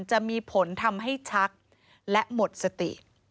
จะมีผลทำให้ชักและหมดสติ